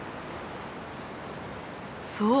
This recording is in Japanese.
そう。